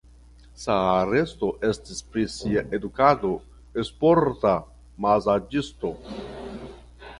Saaresto estas pri sia edukado sporta mazaĝisto.